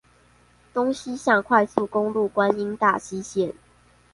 東西向快速公路觀音大溪線